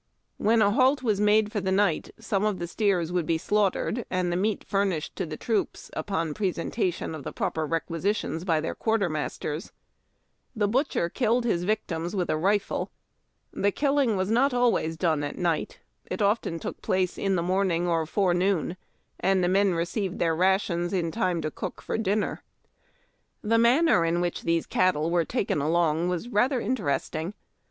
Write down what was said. When a halt was made for the night, some of the steers would be slaughtered, and the meat furnished to the troops upon presentation of the proper requisitions by quartermasters. The butcher killed his victims with a rifle. The killing was not always done at night. It often took place in the morning or forenoon, and the men received their rations in time to cook for dinner. The manner in which these cattle were taken along was rather interesting.